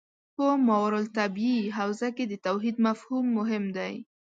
په ماورا الطبیعه حوزه کې د توحید مفهوم مهم دی.